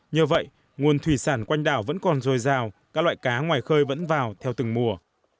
nhờ vậy nguồn thủy sản quanh đảo vẫn còn dồi dào các loại cá ngoài khơi vẫn vào theo từng mùa